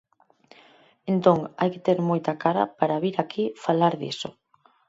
Entón, hai que ter moita cara para vir aquí falar diso.